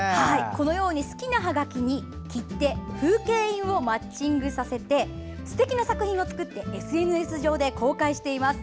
このように好きなはがきに切手、風景印をマッチングさせてすてきな作品を作ってＳＮＳ上で公開しています。